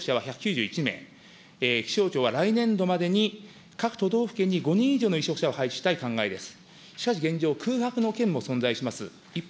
４月時点で委嘱者は１９１名、気象庁は来年度までに各都道府県に５人以上の委嘱者を配置したい考えです。